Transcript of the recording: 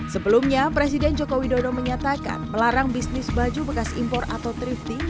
sebelumnya presiden joko widodo menyatakan melarang bisnis baju bekas impor atau thrifting